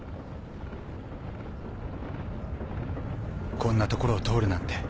こんな所を通るなんて。